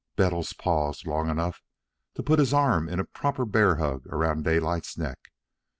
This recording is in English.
Bettles paused long enough to put his arm in a proper bear hug around Daylight's neck.